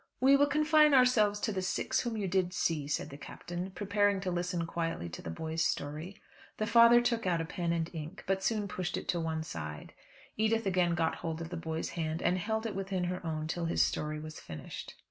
"We will confine ourselves to the six whom you did see," said the Captain, preparing to listen quietly to the boy's story. The father took out a pen and ink, but soon pushed it on one side. Edith again got hold of the boy's hand, and held it within her own till his story was finished.